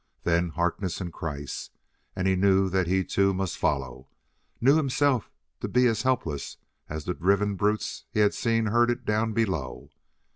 Then Harkness and Kreiss! and he knew that he too must follow, knew himself to be as helpless as the driven brutes he had seen herded down below.